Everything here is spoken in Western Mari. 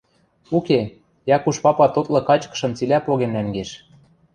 Уке, Якуш папа тотлы качкышым цилӓ поген нӓнгеш